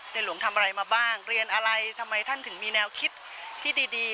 หลวงทำอะไรมาบ้างเรียนอะไรทำไมท่านถึงมีแนวคิดที่ดี